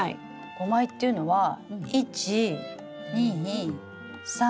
５枚っていうのは１２３。